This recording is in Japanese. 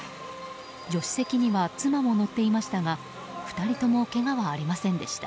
助手席には妻も乗っていましたが２人ともけがはありませんでした。